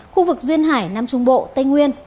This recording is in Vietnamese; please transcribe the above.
khu vực duyên hải nam trung bộ tây nguyên